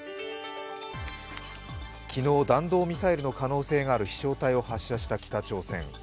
昨日弾道ミサイルの可能性がある飛翔体を発射した北朝鮮。